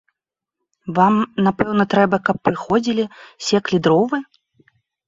Вам, напэўна, трэба, каб прыходзілі, секлі дровы?